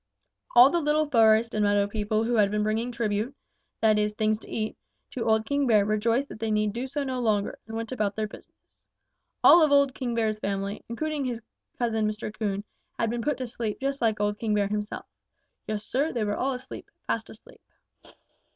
"All the little forest and meadow people who had been bringing tribute, that is things to eat, to old King Bear rejoiced that they need do so no longer and went about their business. All of old King Bear's family, including his cousin Mr. Coon, had been put to sleep just like old King Bear himself. Yes, Sir, they were all asleep, fast asleep.